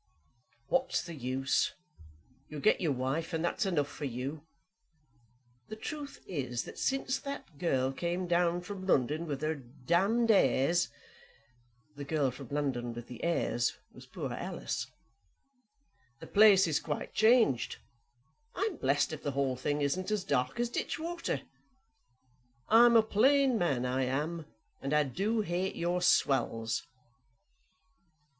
"What's the use? You'll get your wife, and that's enough for you. The truth is, that since that girl came down from London with her d d airs;" the girl from London with the airs was poor Alice, "the place is quite changed. I'm blessed if the whole thing isn't as dark as ditch water. I'm a plain man, I am; and I do hate your swells."